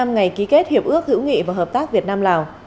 bốn mươi năm ngày ký kết hiệp ước hữu nghị và hợp tác việt nam lào